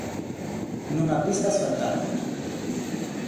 Nunha pista asfaltada.